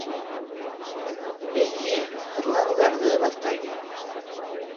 Эйе, һыҙланыуҙарҙы баҫҡайны.